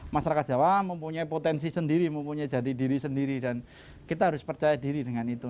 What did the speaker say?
masyarakat jawa mempunyai potensi sendiri mempunyai jati diri sendiri dan kita harus percaya diri dengan itu